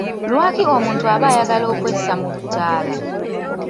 Lwaki omuntu aba ayagala okwessa mu butaala?